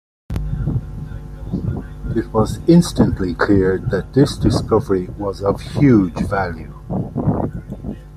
It was instantly clear that this discovery was of huge value.